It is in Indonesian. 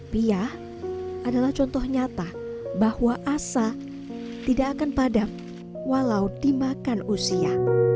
pia adalah contoh nyata bahwa asa tidak akan padam walau dimakan usia